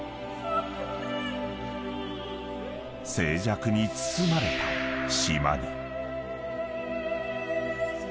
［静寂に包まれた島に］